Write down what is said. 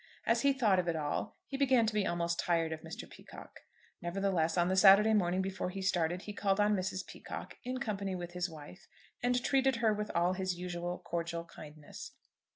As he thought of it all he began to be almost tired of Mr. Peacocke. Nevertheless, on the Saturday morning, before he started, he called on Mrs. Peacocke, in company with his wife, and treated her with all his usual cordial kindness.